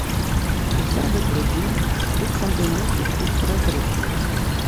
Уся гэтая дзейнасць быццам бы мусіць быць празрыстая.